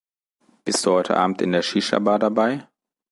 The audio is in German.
Bist du heute Abend in der Shisha-Bar dabei?